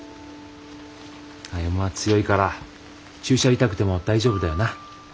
歩は強いから注射痛くても大丈夫だよな。